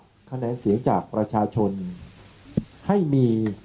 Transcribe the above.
และการแสดงสมบัติของแคนดิเดตนายกนะครับ